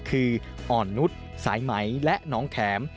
คืออ่อนนุษย์สายไหมและน้องแข็ม